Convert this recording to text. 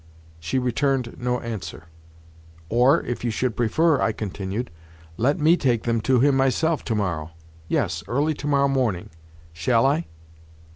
She returned no answer. "Or, if you should prefer," I continued, "let me take them to him myself tomorrow—yes, early tomorrow morning. Shall I?"